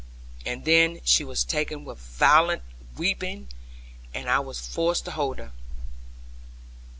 And then she was taken with violent weeping, and I was forced to hold her.